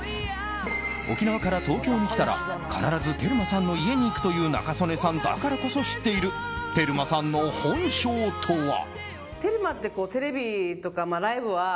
沖縄から東京に来たら必ずテルマさんの家に行くという仲宗根さんだからこそ知っているテルマさんの本性とは？